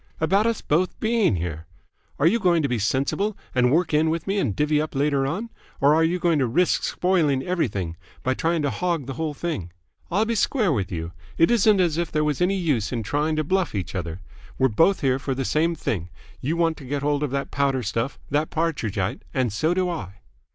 "About us both being here? Are you going to be sensible and work in with me and divvy up later on, or are you going to risk spoiling everything by trying to hog the whole thing? I'll be square with you. It isn't as if there was any use in trying to bluff each other. We're both here for the same thing. You want to get hold of that powder stuff, that Partridgite, and so do I."